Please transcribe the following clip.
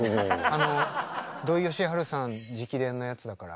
あの土井善晴さん直伝のやつだから。